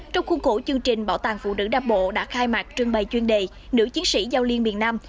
trong khuôn cổ chương trình bảo tàng phụ nữ nam bộ đã khai mạc trưng bày chuyên đề nữ chiến sĩ giao liên miền nam